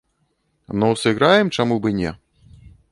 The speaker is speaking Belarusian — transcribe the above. Ну, сыграем, чаму б і не.